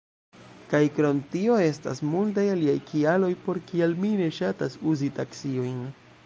Kaj krom tio, estas multaj aliaj kialoj, por kial mi ne ŝatas uzi taksiojn.